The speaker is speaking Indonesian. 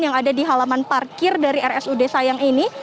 yang ada di halaman parkir dari rsud sayang ini